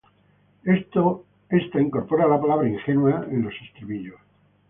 Ésta incorpora la palabra ingenua en los estribillos.